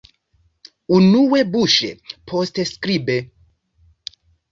Unue buŝe, poste skribe.